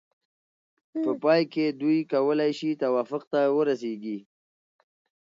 په پای کې دوی کولای شي توافق ته ورسیږي.